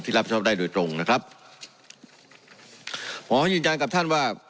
รับชอบได้โดยตรงนะครับขอให้ยืนยันกับท่านว่า